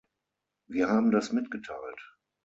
Wir haben das mitgeteilt.